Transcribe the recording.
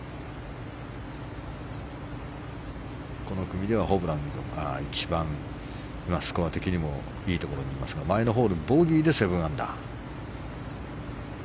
この組ではホブランが一番スコア的にもいいところにいますが前のホールボギーで７アンダー。